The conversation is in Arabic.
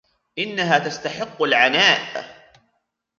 إنها تستحق العناء.